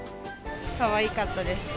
かわいかったです。